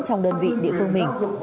trong đơn vị địa phương mình